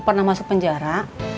pernah masuk penjara